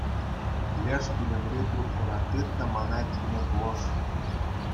Леш пӳлӗмри трубкӑна тыт та мана итлеме пулӑш.